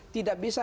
tidak bisa setuju